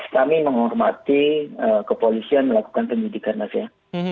kami menghormati kepolisian melakukan penyidikan mas ya